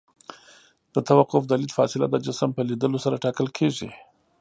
د توقف د لید فاصله د جسم په لیدلو سره ټاکل کیږي